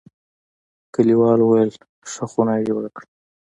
کلیوالو ویل: ښه خونه یې جوړه کړه.